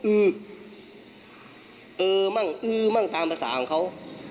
เออมั้งจึงตามภาษาของเขา